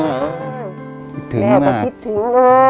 แม่ก็คิดถึงเลย